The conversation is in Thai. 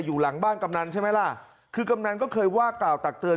อยู่หลังบ้านกำนันใช่ไหมล่ะคือกำนันก็เคยว่ากล่าวตักเตือน